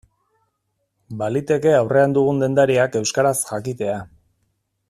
Baliteke aurrean dugun dendariak euskaraz jakitea.